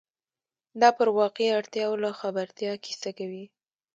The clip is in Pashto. دا پر واقعي اړتیاوو له خبرتیا کیسه کوي.